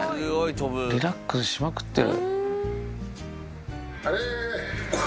リラックスしまくってる。